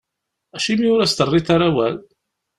Acimi ur as-terriḍ ara awal?